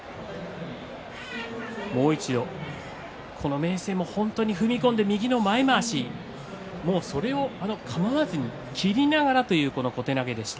明生も踏み込んで右の前まわし、それをかまわずに切りながらという小手投げでした。